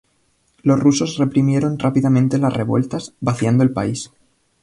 Los rusos reprimieron rápidamente las revueltas, vaciando el país.